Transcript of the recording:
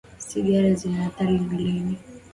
Sigara zina athari mwilini